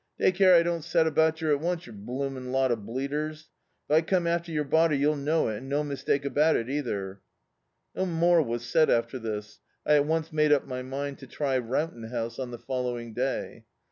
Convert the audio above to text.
Take care I don't set about yer at once, yer blooming lot of bleeders. If I come arter yer body, yer'U know it, and no mis take about it, either." No more was said after this. I at once made up my mind to try Rowton House on the following day.